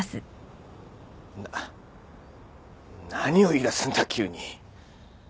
なっ何を言いだすんだ急に。